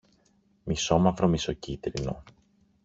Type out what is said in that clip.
μισομαύρο-μισοκίτρινο